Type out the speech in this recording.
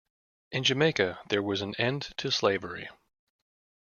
In Jamaica, there was an end to slavery.